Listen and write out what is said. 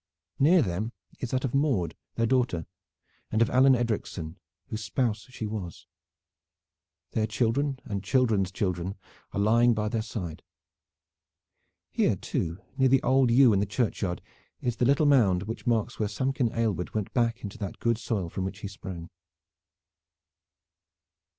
Near them is that of Maude their daughter, and of Alleyne Edricson, whose spouse she was; their children and children's children are lying by their side. Here too, near the old yew in the churchyard, is the little mound which marks where Samkin Aylward went back to that good soil from which he sprang.